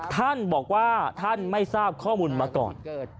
ท่านบอกว่าท่านไม่ทราบข้อมูลมาก่อน